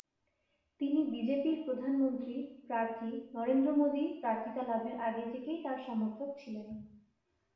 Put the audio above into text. তিনি বিজেপির প্রধানমন্ত্রী প্রার্থী নরেন্দ্র মোদী প্রার্থীতা লাভের আগে থেকেই তার সমর্থক ছিলেন।